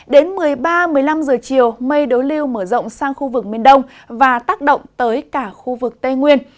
đến một mươi ba một mươi năm giờ chiều mây đối lưu mở rộng sang khu vực miền đông và tác động tới cả khu vực tây nguyên